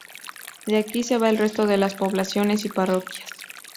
De aquí se va al resto de las poblaciones y parroquias.